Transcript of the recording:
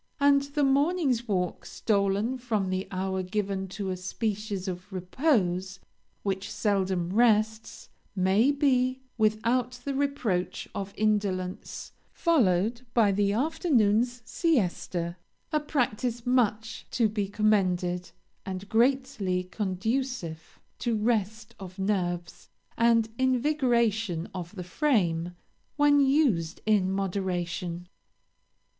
And the morning's walk, stolen from the hour given to a species of repose which seldom rests, may be, without the reproach of indolence, followed by the afternoon's siesta a practice much to be commended, and greatly conducive to rest of nerves and invigoration of the frame, when used in moderation.